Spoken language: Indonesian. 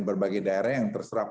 berbagai daerah yang terserap